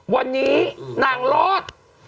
วันนี้นางรอด